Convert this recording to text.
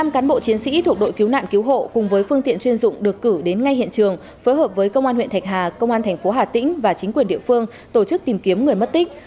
một trăm linh cán bộ chiến sĩ thuộc đội cứu nạn cứu hộ cùng với phương tiện chuyên dụng được cử đến ngay hiện trường phối hợp với công an huyện thạch hà công an thành phố hà tĩnh và chính quyền địa phương tổ chức tìm kiếm người mất tích